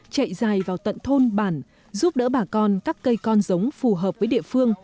chạy dài vào tận thôn bản giúp đỡ bà con cắt cây con giống phù hợp với địa phương